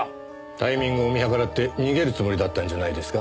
タイミングを見計らって逃げるつもりだったんじゃないですか？